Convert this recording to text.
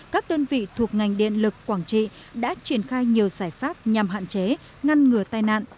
các đơn vị thuộc ngành điện lực quảng trị đã triển khai nhiều giải pháp nhằm hạn chế ngăn ngừa tai nạn